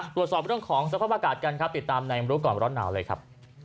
ตรวจสอบเรื่องของสภาพอากาศกันครับติดตามในรู้ก่อนร้อนหนาวเลยครับ